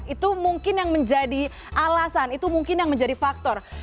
itu mungkin yang menjadi alasan itu mungkin yang menjadi faktor